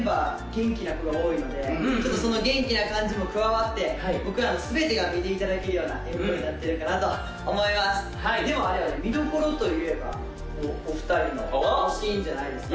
元気な子が多いのでちょっとその元気な感じも加わって僕らの全てが見ていただけるようなＭＶになってるかなと思いますでもあれやね見どころといえばお二人のシーンじゃないですか？